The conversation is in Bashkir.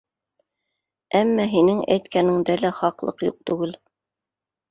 Әммә һинең әйткәнендә лә хаҡлыҡ юҡ түгел.